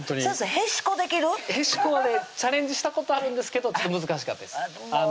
へしこはねチャレンジしたことあるんですけど難しかったです